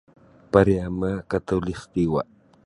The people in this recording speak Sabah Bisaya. Pariama' Khatulistiwa'